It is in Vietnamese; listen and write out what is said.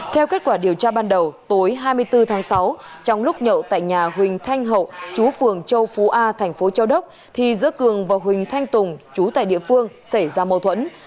theo kết quả điều tra ban đầu tối hai mươi bốn tháng sáu trong lúc nhậu tại nhà huỳnh thanh hậu chú phường châu phú a thành phố châu đốc thì giữa cường và huỳnh thanh tùng chú tại địa phương xảy ra mâu thuẫn